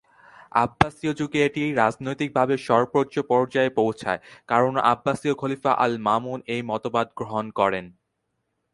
আব্বাসীয় যুগে এটি রাজনৈতিকভাবে সর্বোচ্চ পর্যায়ে পৌঁছায় কারণ আব্বাসীয় খলিফা আল-মামুন এই মতবাদ গ্রহণ করেন।